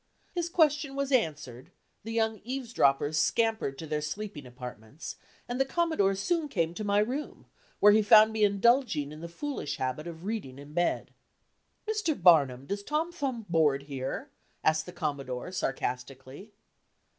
His question was answered; the young eaves droppers scampered to their sleeping apartments, and the Commodore soon came to my room, where he found me indulging in the foolish habit of reading in bed. "Mr. Barnum, does Tom Thumb board here?" asked the Commodore, sarcastically.